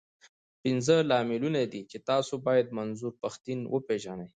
پنځه لاملونه دي، چې تاسو بايد منظور پښتين وپېژنئ.